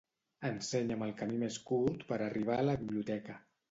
Ensenya'm el camí més curt per arribar a la biblioteca.